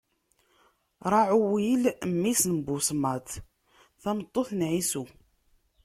Raɛuwil, mmi-s n Busmat, tameṭṭut n Ɛisu.